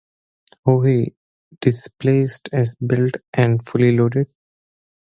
"Howe" displaced as built and fully loaded.